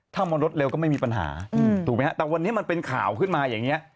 ถ้าบนรถเร็วก็ไม่มีปัญหาถูกไหมฮะแต่วันนี้มันเป็นข่าวขึ้นมาอย่างนี้